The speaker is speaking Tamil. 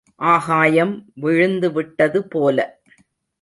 ஆகாயம் விழுந்து விட்டது போல.